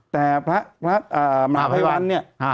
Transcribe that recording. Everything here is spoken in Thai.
แต่พระมหาพระไพรวัลเนี่ย